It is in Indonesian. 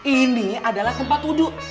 ini adalah tempat wudhu